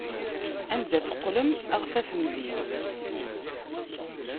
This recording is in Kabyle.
Anda teqqlem, ad ɣ-tafem din!